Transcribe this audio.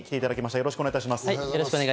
よろしくお願いします。